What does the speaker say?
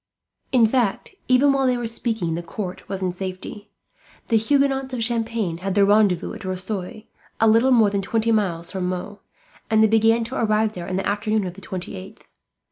In fact, even while they were speaking, the court was in safety. The Huguenots of Champagne had their rendezvous at Rosoy, a little more than twenty miles from Meaux, and they began to arrive there in the afternoon of the 28th.